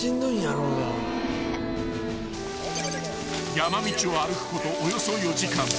［山道を歩くことおよそ４時間］